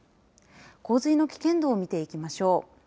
洪水の危険度を見ていきましょう。